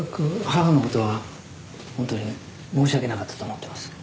母のことは本当に申し訳なかったと思ってます。